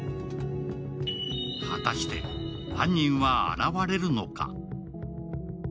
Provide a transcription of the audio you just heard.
果たして犯人は現れるのか。